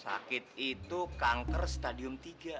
sakit itu kanker stadium tiga